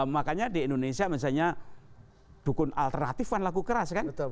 makanya di indonesia misalnya dukun alternatif kan laku keras kan